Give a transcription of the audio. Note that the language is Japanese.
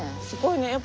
すごいね。